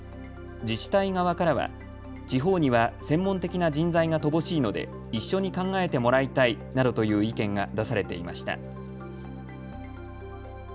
自治体側からは地方には専門的な人材が乏しいので一緒に考えてもらいたいなどという意見が出されていました。